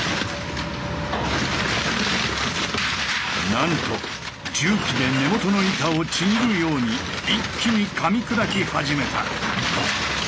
なんと重機で根元の板をちぎるように一気にかみ砕き始めた。